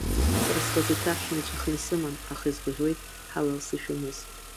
Сара схазы иҭаршәны иҵәахны исыман, аха изгәаӷьуеит, ҳалалс ишәымаз!